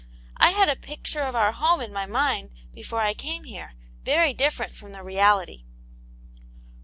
I had a picture of our home in my mind before I came here very different from the reality."